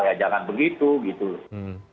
ya jangan begitu gitu loh